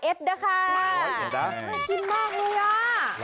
ร้อยเอ็ดนะกินมากเลยอ่ะ